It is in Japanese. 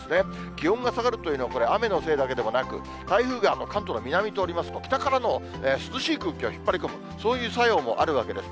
気温が下がるというのはこれ、雨のせいだけではなく、台風が関東の南を通りますと、北からの涼しい空気を引っ張り込む、そういう作用もあるわけです。